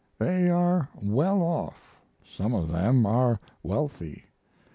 They are well off; some of them are wealthy.